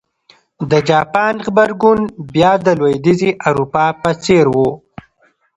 د جاپان غبرګون بیا د لوېدیځې اروپا په څېر و.